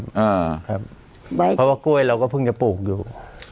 เพราะว่ากล้วยเราก็เพิ่งจะปลูกอยู่